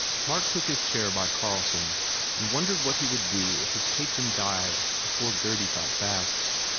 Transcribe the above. Mark took his chair by Carlson and wondered what he would do if his patron died before Gurdy got back.